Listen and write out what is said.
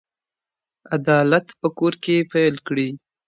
عدالت په کور کې پيل کړئ.